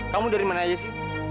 kamu dari mana aja sih